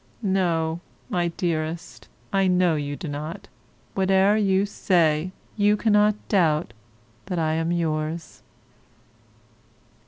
No, my dearest, I know you do not, whate'er you say, you cannot doubt that I am yours.